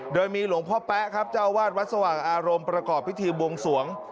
โดยมีหลวงพ่อแป๊ะครับเจ้าวาดวัดสว่างอารมณ์ประกอบพิธีบวงสวง